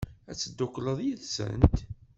Ad tedduklem yid-sent?